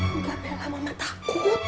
enggak bella mama takut